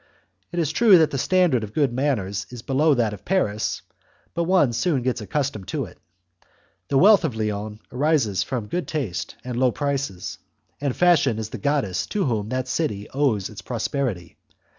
It is true that the standard of good manners is below that of Paris, but one soon gets accustomed to it. The wealth of Lyons arises from good taste and low prices, and Fashion is the goddess to whom that city owes its prosperity.